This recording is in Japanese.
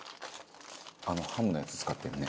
「あのハムのやつ使ってるね」